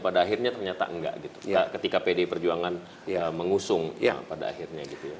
pada akhirnya ternyata enggak gitu ketika pdi perjuangan mengusung ya pada akhirnya gitu ya